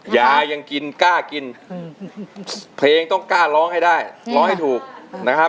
ยายังกินกล้ากินเพลงต้องกล้าร้องให้ได้ร้องให้ถูกนะครับ